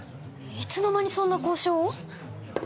いつの間にそんな交渉を？